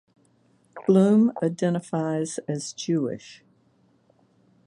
Bloom identifies as Jewish.